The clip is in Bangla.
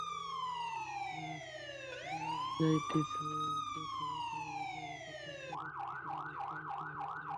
মেনানজাইটিস হয়ে মাথাব্যথা আর জ্বরে প্রচন্ড কষ্টে ছিলেন, একবার অজ্ঞানও হয়েছিলেন।